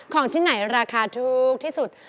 ของที่ไหนราคาถูกที่สุด